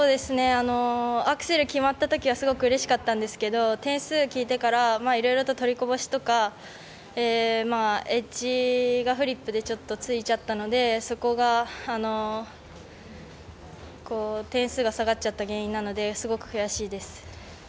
アクセル決まったときはすごくうれしかったんですけど点数聞いてからいろいろと取りこぼしとかエッジがフリップでちょっと、ついちゃったのでそこが、点数が下がっちゃった原因なのですごく悔しいです。